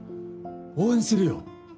応援するよ。